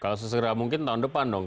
kalau sesegera mungkin tahun depan dong